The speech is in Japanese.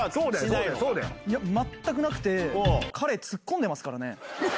いや、全くなくて、彼、突っ込んでますからね。